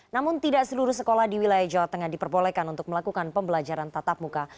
namun tidak seluruh sekolah di wilayah jawa tengah diperbolehkan untuk melakukan pembelajaran tatap muka